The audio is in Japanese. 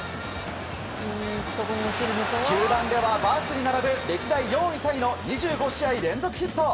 球団ではバースに並ぶ歴代４位タイの２５試合連続ヒット！